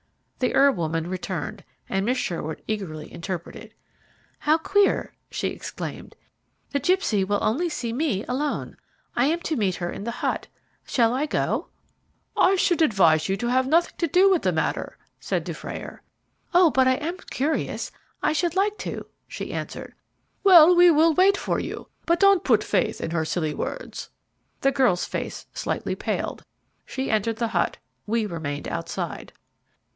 The herb woman returned, and Miss Sherwood eagerly interpreted. "How queer!" she exclaimed. "The gipsy will only see me alone. I am to meet her in the hut. Shall I go?" "I should advise you to have nothing to do with the matter," said Dufrayer. "Oh, but I am curious. I should like to," she answered. "Well, we will wait for you; but don't put faith in her silly words." The girl's face slightly paled. She entered the hut; we remained outside.